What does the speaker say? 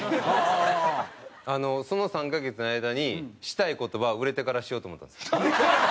その３カ月の間にしたい事は売れてからしようと思ったんです。